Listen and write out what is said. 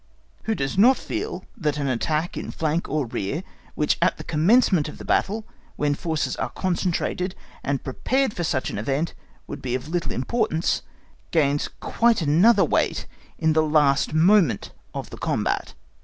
Who does not feel that an attack in flank or rear, which at the commencement of the battle, when the forces are concentrated and prepared for such an event would be of little importance, gains quite another weight in the last moment of the combat.